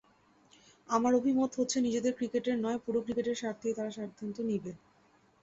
আমার অভিমত হচ্ছে, নিজেদের ক্রিকেটের নয়, পুরো ক্রিকেটের স্বার্থেই তারা সিদ্ধান্ত নেবে।